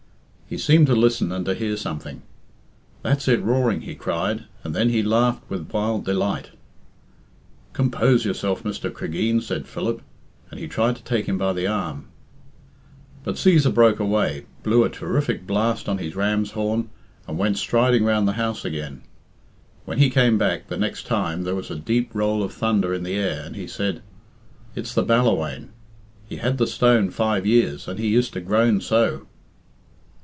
He seemed to listen and to hear something. "That's it roaring," he cried, and then he laughed with wild delight. "Compose yourself, Mr. Cregeen," said Philip, and he tried to take him by the arm. But Cæsar broke away, blew a terrific blast on his ram's horn, and went striding round the house again. When he came back the next time there was a deep roll of thunder in the air, and he said, "It's the Ballawhaine. He had the stone five years, and he used to groan so."